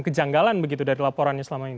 kejanggalan begitu dari laporannya selama ini